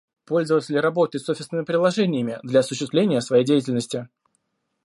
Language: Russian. Пользователь работает с офисными приложениями для осуществления своей деятельности